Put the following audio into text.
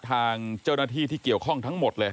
ทางเจ้าหน้าที่ที่เกี่ยวข้องทั้งหมดเลย